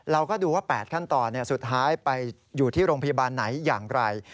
เราก็ดูว่า๘ขั้นตอนสุดท้ายไปอยู่ที่โรงพยาบาลไหนอย่างไร